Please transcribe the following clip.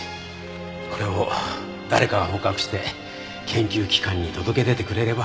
これを誰かが捕獲して研究機関に届け出てくれれば。